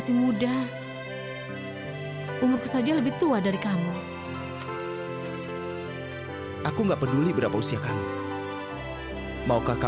sampai jumpa di video selanjutnya